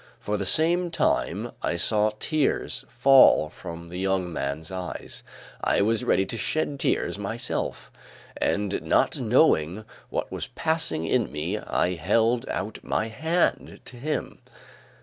For the second time, I saw tears fall from the young man's eyes; I was ready to shed tears myself, and not knowing what was passing in me, I held out my hand to him.